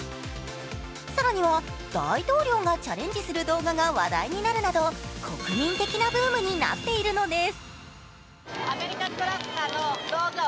更には大統領がチャレンジする動画が話題になるなど国民的なブームになっているのです。